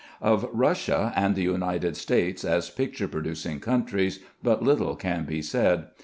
Of Russia and the United States as picture producing countries but little can be said.